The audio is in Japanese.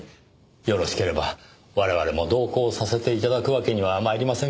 よろしければ我々も同行させて頂くわけには参りませんかね？